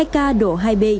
hai ca độ hai b